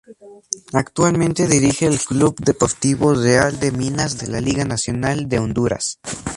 Actualmente dirige al Club Deportivo Real de Minas de la Liga Nacional de Honduras.